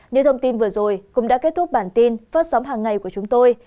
những thông tin vừa rồi cũng đã kết thúc bản tin phát sóng hàng ngày của chúng tôi